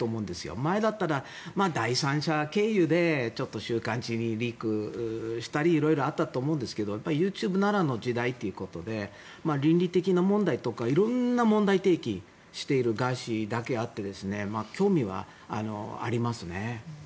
前だったら第三者経由でちょっと週刊誌にリークしたり色々あったと思うんですがＹｏｕＴｕｂｅならではの時代ということで倫理的な問題とか色んな問題提起をしているガーシーだけあって興味はありますね。